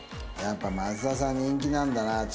やっぱ益田さん人気なんだな。